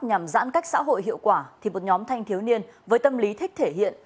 nhằm giãn cách xã hội hiệu quả thì một nhóm thanh thiếu niên với tâm lý thích thể hiện